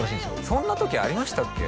そんな時ありましたっけ？